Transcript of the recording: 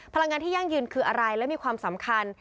พลังงานที่ยั่งยืนคืออะไรและมีความสำคัญ